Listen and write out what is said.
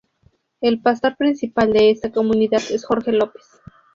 El pastor principal de esta comunidad es Jorge Lopez.